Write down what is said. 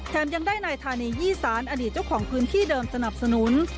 ยังได้นายธานียี่สารอดีตเจ้าของพื้นที่เดิมสนับสนุน